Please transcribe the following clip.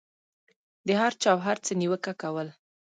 د هر چا او هر څه نیوکه کول.